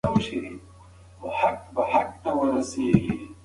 ایا ته د پییر د کرکټر په اړه څه پوهېږې؟